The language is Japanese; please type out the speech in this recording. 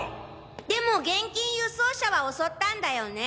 でも現金輸送車は襲ったんだよね？